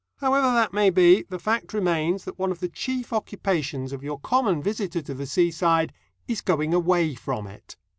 However that may be, the fact remains that one of the chief occupations of your common visitor to the seaside is going away from it.